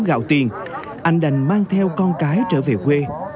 gạo tiền anh đành mang theo con cái trở về quê